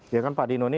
ya kan pak dino ini